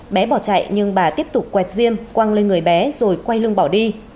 bé bỏ chạy nhưng bà tiếp tục quẹt diêm quang lên người bé rồi quay lưng bỏ đi